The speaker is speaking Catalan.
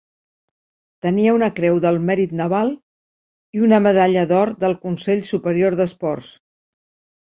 Tenia una Creu del Mèrit Naval i una medalla d'or del Consell Superior d'Esports.